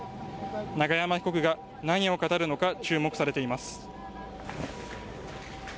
永山被告が何を語るのか注目されています。